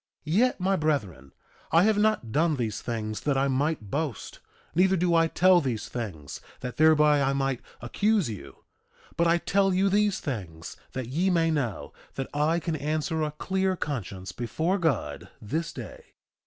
2:15 Yet, my brethren, I have not done these things that I might boast, neither do I tell these things that thereby I might accuse you; but I tell you these things that ye may know that I can answer a clear conscience before God this day.